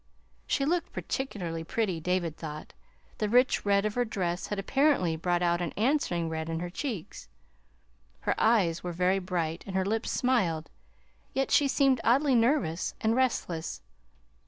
She looked particularly pretty, David thought. The rich red of her dress had apparently brought out an answering red in her cheeks. Her eyes were very bright and her lips smiled; yet she seemed oddly nervous and restless.